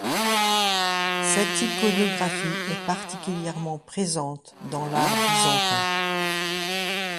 Cette iconographie est particulièrement présente dans l'art byzantin.